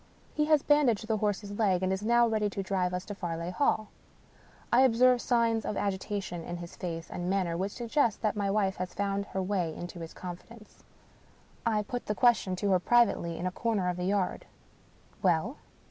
He has bandaged the horse's leg, and is now ready to drive us to Farleigh Hall. I observe signs of agitation in his face and manner, which suggest that my wife has found her way into his confidence. I put the ques 222 Wilkie Collins tion to her privately in a comer of the yard. "Well?